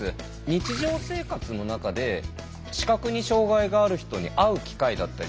日常生活の中で視覚に障害がある人に会う機会だったり見かける機会はありますか？